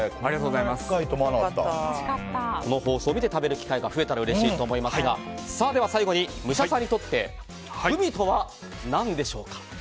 この放送を見て食べる機会が増えたらうれしいと思いますがでは最後に武者さんにとってグミとは何でしょうか？